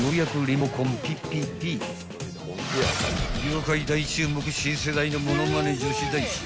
［業界大注目新世代のものまね女子大生］